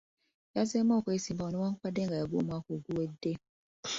Yazzeemu okwesimbawo newankubadde nga yagwa omwaka oguwedde.